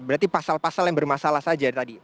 berarti pasal pasal yang bermasalah saja tadi